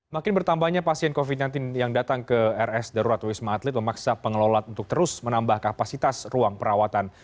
makin bertambahnya pasien covid sembilan belas yang datang ke rs darurat wisma atlet memaksa pengelola untuk terus menambah kapasitas ruang perawatan